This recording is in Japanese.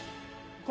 これ。